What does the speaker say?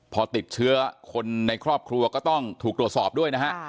พอติดเชื้อคนในครอบครัวก็ต้องถูกตรวจสอบด้วยนะฮะ